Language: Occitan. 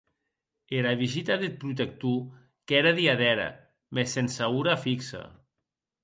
Era visita deth protector qu’ère diadèra, mès sense ora fixa.